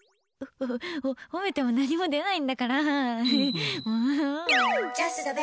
ほ、褒めても何も出ないんだから！